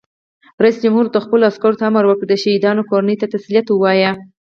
رئیس جمهور خپلو عسکرو ته امر وکړ؛ د شهیدانو کورنیو ته تسلیت ووایئ!